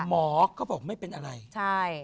หมอก็บอกไม่เป็นอะไรใช่